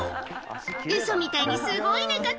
ウソみたいにすごい寝方